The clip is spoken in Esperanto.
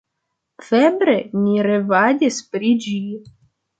Febre ni revadis pri ĝi.